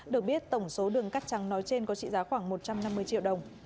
được biết tổng số đường cắt trắng nói trên có trị giá khoảng một trăm năm mươi triệu đồng